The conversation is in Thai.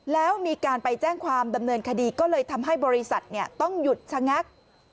แล้วมีการไปแจ้งความดำเนินคดีก็เลยทำให้บริษัทต้องหยุดชะงัก